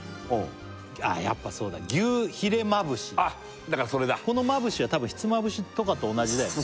ああやっぱそうだ「牛ヒレまぶし」だからそれだこのまぶしは多分ひつまぶしとかと同じだよね